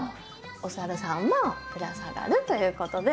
おさるさんもぶら下がるということで。